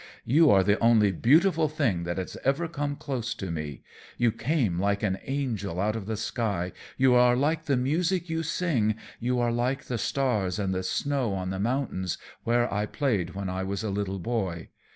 You are the only beautiful thing that has ever come close to me. You came like an angel out of the sky. You are like the music you sing, you are like the stars and the snow on the mountains where I played when I was a little boy.